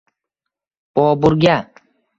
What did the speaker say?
Boburga.